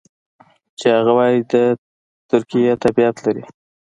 چې هغه وايي د ترکیې تابعیت لري.